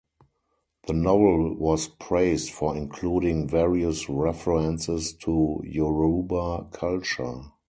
The novel was praised for including various references to Yoruba culture.